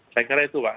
saya kira itu pak